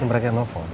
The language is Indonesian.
ini mereka yang nelfon